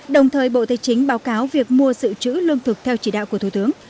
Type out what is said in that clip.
đồng thời bộ tây chính báo cáo việc mua sự chữ lương thực theo chỉ đạo của thủ tướng